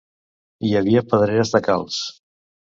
Hi havia pedreres de calç.